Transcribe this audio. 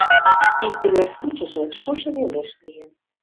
Ик тыгай случайже шошо велеш лийын.